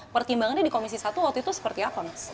pertimbangannya di komisi satu waktu itu seperti apa mas